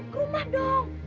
ke rumah dong